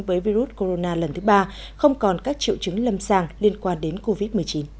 với virus corona lần thứ ba không còn các triệu chứng lâm sàng liên quan đến covid một mươi chín